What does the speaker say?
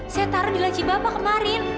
saya taruh di lacibapa kemarin